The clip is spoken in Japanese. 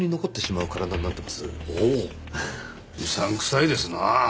うさんくさいですなあ。